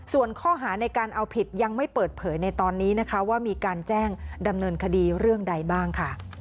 ส่วนข้อหาในการเอาผิดยังไม่เปิดเผยในตอนนี้นะคะว่ามีการแจ้งดำเนินคดีเรื่องใดบ้างค่ะ